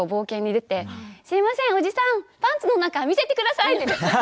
ーが冒険に出てすみません、おじさんパンツの中、見せてくださいって。